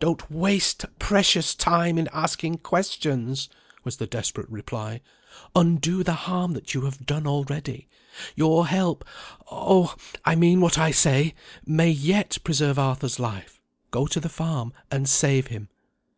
"Don't waste precious time in asking questions!" was the desperate reply. "Undo the harm that you have done already. Your help oh, I mean what I say! may yet preserve Arthur's life. Go to the farm, and save him."